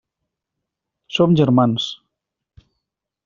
Som germans.